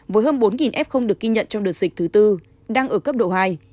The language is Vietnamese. với hơn bốn f được ghi nhận trong đợt dịch thứ tư đang ở cấp độ hai